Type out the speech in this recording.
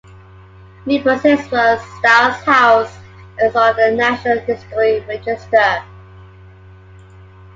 Newport's Ezra Stiles House is on the National Historic Register.